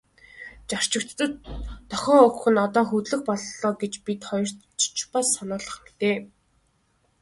Зорчигчдод дохио өгөх нь одоо хөдлөх боллоо гэж бид хоёрт ч бас сануулах мэт.